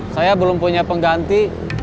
saya belum punya pengganti